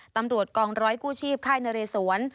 ตำรวจกองร้อยกู้ชีพค่ายนเรสวน